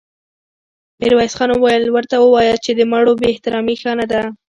ميرويس خان وويل: ورته وواياست چې د مړو بې احترامې ښه نه ده.